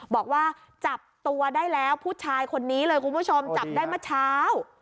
บอกว่าจับตัวได้แล้วผู้ชายคนนี้เลยคุณผู้ชมจับได้เมื่อเช้า